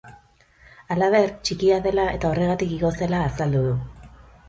Halaber, txikia dela eta horregatik igo zela azaldu du.